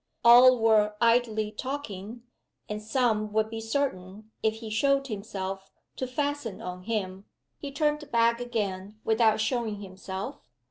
All were idly talking; and some would be certain, if he showed himself, to fasten on him. He turned back again, without showing himself.